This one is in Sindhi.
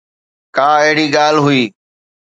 ڪا اهڙي ڳالهه هئي.